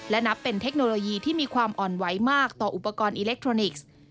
และนับเป็นเทคโนโลยีที่มีความอ่อนไหวมากต่ออุปกรณ์อิเล็กทรอนิกส์